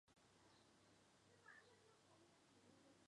巴盖希是葡萄牙布拉干萨区的一个堂区。